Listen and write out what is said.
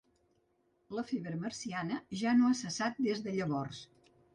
La febre marciana ja no ha cessat des de llavors.